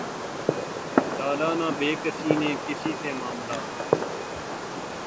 ڈالا نہ بیکسی نے کسی سے معاملہ